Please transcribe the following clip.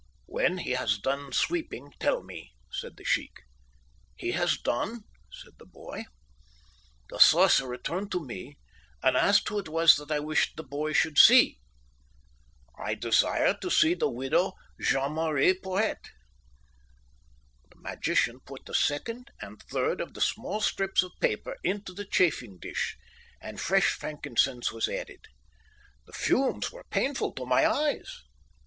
"'When he has done sweeping, tell me,' said the sheikh. "'He has done,' said the boy. "The sorcerer turned to me and asked who it was that I wished the boy should see. "'I desire to see the widow Jeanne Marie Porhoët.' "The magician put the second and third of the small strips of paper into the chafing dish, and fresh frankincense was added. The fumes were painful to my eyes.